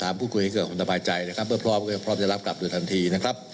ถามผู้คุยให้เกิดความตบายใจเพราะพร้อมจะรับกลับโดยทันที